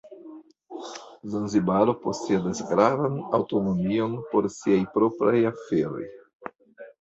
Zanzibaro posedas gravan aŭtonomion por siaj propraj aferoj.